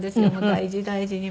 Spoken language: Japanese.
大事大事に。